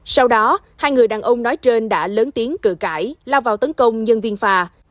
sau đó hai người đàn ông nói trên đã lớn tiếng cử cãi lao vào tấn công nhân viên phà